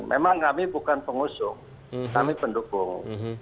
memang kami bukan pengusung kami pendukung